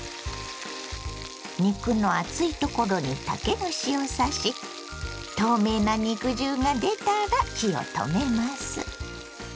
肉の厚いところに竹串を刺し透明な肉汁が出たら火を止めます。